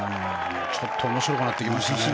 ちょっと面白くなってきましたね。